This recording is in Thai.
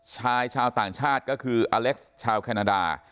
ชายชาวต่างชาติก็คืออเล็กซ์ชาวแคนาดา